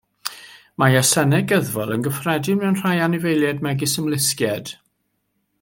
Mae asennau gyddfol yn gyffredin mewn rhai anifeiliaid megis ymlusgiaid.